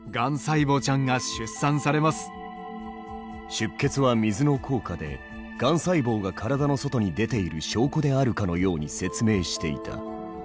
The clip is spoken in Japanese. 出血は水の効果でがん細胞が体の外に出ている証拠であるかのように説明していた。